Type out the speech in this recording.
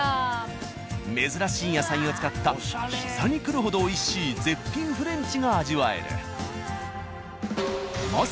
珍しい野菜を使った膝にくるほど美味しい絶品フレンチが味わえる。